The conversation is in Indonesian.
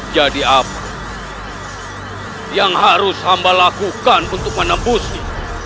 jadi apa yang harus hamba lakukan untuk menembusi